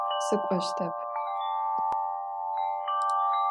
Сыкӏощтэп.